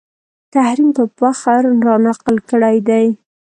تحریم په فخر رانقل کړی دی